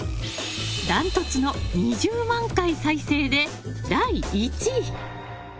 ダントツの２０万回再生で第１位。